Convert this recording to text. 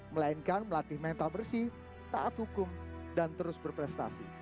melainkan melatih mental bersih taat hukum dan terus berprestasi